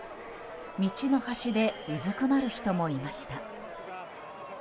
道の端でうずくまる人もいました。